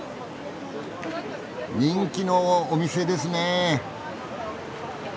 人気のお店ですねえ！